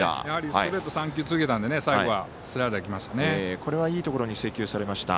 ストレート３球続けたので最後はスライダーがきました。